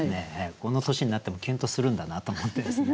この年になってもキュンとするんだなと思ってですね。